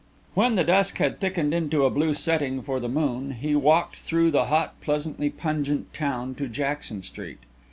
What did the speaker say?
When the dusk had thickened into a blue setting for the moon, he walked through the hot, pleasantly pungent town to Jackson Street.